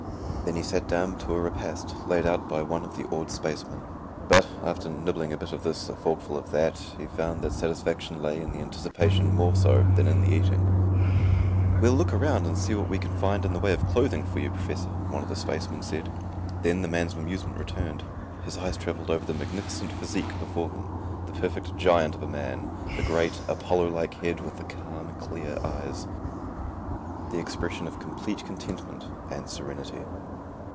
Then he sat down to a repast laid out by one of the awed spacemen. But, after nibbling a bit of this, a forkful of that, he found that satisfaction lay in the anticipation more so than in the eating. "We'll look around and see what we can find in the way of clothing for you, Professor," one of the spacemen said. Then the man's bemusement returned. His eyes traveled over the magnificent physique before him. The perfect giant of a man; the great, Apollo like head with the calm, clear eyes; the expression of complete contentment and serenity.